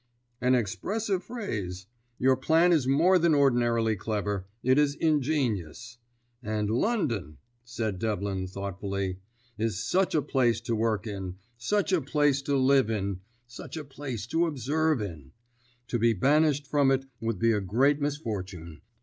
"An expressive phrase. Your plan is more than ordinarily clever; it is ingenious. And London," said Devlin thoughtfully, "is such a place to work in, such a place to live in, such a place to observe in! To be banished from it would be a great misfortune.